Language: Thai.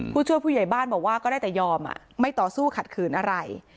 ผู้ช่วยผู้ใหญ่บ้านบอกว่าก็ได้แต่ยอมไม่ต่อสู้ขัดขืนอะไร